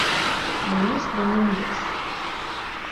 Luís Domingues